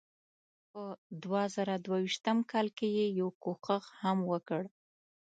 په دوه زره دوه ویشت کال کې یې یو کوښښ هم وکړ.